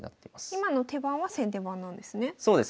今の手番は先手番なんですね。